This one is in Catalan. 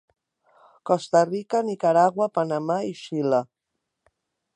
Costa Rica, Nicaragua, Panamà i Xile.